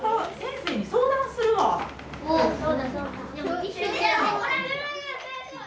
そうだそうだ！